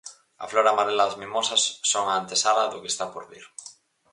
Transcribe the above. A flor amarela das mimosas son a antesala do que está por vir.